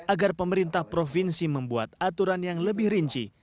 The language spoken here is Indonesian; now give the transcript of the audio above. agar pemerintah provinsi membuat aturan yang lebih rinci